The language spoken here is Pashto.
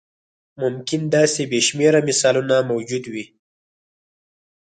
ممکن داسې بې شمېره مثالونه موجود وي.